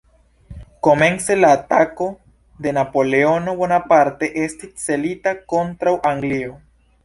Komence la atako de Napoleono Bonaparte estis celita kontraŭ Anglio.